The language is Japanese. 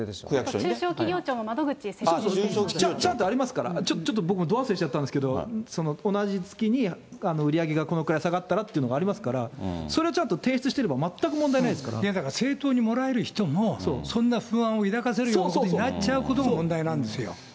中小企業庁の窓口にね、先ほちゃんとありますから、ちょっと僕もど忘れしちゃったんですけど、同じ月に売り上げがこのくらい下がったらというのがありますから、それをちゃんと提出してだから正当にもらえる人も、そんな不安を抱かせることになっちゃうことが問題なんですよ。